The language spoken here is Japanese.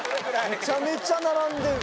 めちゃめちゃ並んでる。